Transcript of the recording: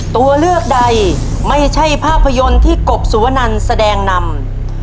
ตัวเลือกใดไม่ใช่ภาพยนตร์ที่กบสุวนันแสดงนำ